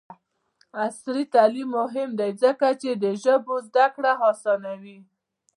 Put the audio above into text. عصري تعلیم مهم دی ځکه چې د ژبو زدکړه اسانوي.